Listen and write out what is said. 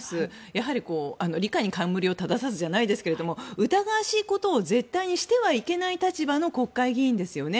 やはり李下に冠を正さずじゃないですが疑わしいことを絶対にしてはいけない立場の国会議員ですよね。